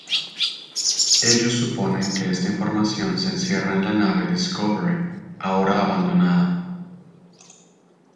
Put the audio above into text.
Ellos suponen que esta información se encierra en la nave "Discovery", ahora abandonada.